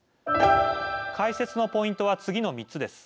解説のポイントは次の３つです。